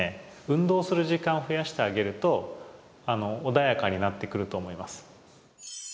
運動する時間を増やしてあげると穏やかになってくると思います。